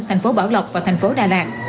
thành phố bảo lộc và thành phố đà lạt